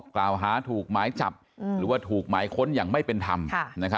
กล่าวหาถูกหมายจับหรือว่าถูกหมายค้นอย่างไม่เป็นธรรม